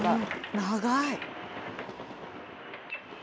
長い。